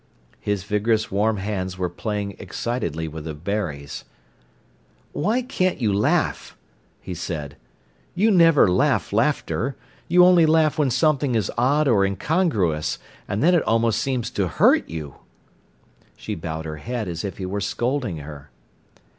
His vigorous warm hands were playing excitedly with the berries. "Why can't you laugh?" he said. "You never laugh laughter. You only laugh when something is odd or incongruous, and then it almost seems to hurt you." She bowed her head as if he were scolding her.